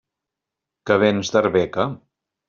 Que vens d'Arbeca?